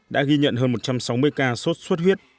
đã ghi nhận hơn một trăm sáu mươi ca sốt xuất huyết